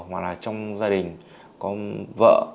hoặc là trong gia đình có vợ